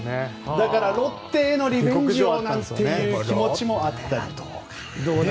だからロッテへのリベンジという気持ちもあったり。